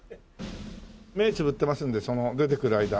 目つぶってますんで出てくる間。